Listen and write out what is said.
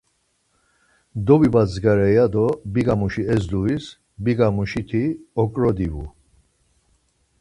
Dobibadzgare ya do biga muşi ezduis, biga muşiti okro divu.